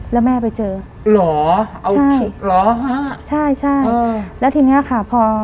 แล้วแม่ไปเจอหรอใช่หรอใช่ใช่อืมแล้วทีเนี้ยค่ะพอ